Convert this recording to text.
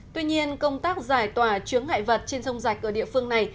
tuy nhiên công tác giải tòa chướng ngại vật trên sông dạch ở địa phương này